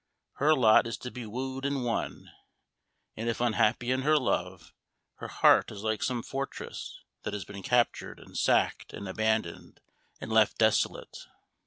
Her lot is to be wooed and won; and if unhappy in her love, her heart is like some fortress that has been captured, and sacked, and abandoned, and left desolate.